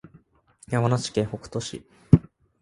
山梨県北杜市